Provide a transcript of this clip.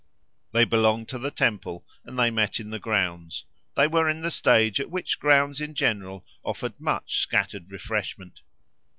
They belonged to the temple and they met in the grounds; they were in the stage at which grounds in general offered much scattered refreshment.